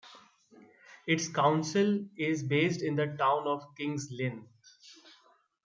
Its council is based in the town of King's Lynn.